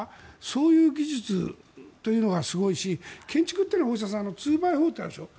そういう技術というのがすごいし建築っていうのは大下さんツーバイフォーってあるでしょ。